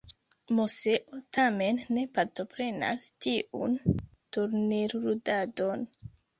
Moseo tamen ne partoprenas tiun turnirludadon.